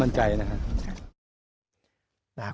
มั่นใจนะครับ